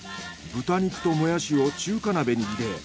豚肉ともやしを中華鍋に入れ。